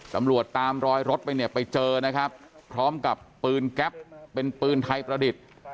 ตำรวจตามรอยรถไปเนี่ยไปเจอนะครับพร้อมกับปืนแก๊ปเป็นปืนไทยประดิษฐ์